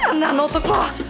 あの男は！